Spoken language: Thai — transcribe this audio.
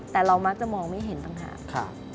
แต่เรามักจะมองไม่เห็นต่างหาก